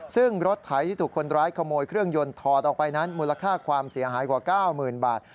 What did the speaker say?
ซึ่งรถไถที่ถูกคนร้ายขโมยเครื่องยนต์ถอดออกไปนั้นมูลค่าความเสียหายกว่า๙๐๐๐บาท